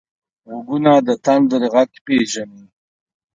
غوږونه د تندر غږ پېژني